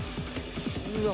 うわ